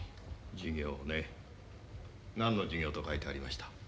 事業をね何の事業と書いてありました？